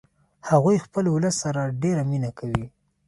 هغوی خپل ولس سره ډیره مینه کوي